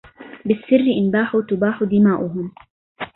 بالسر إن باحوا تباح دماؤهم